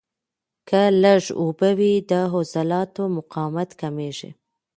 که لږ اوبه وي، د عضلاتو مقاومت کمېږي.